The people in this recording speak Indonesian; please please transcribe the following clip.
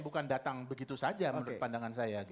bukan datang begitu saja menurut pandangan saya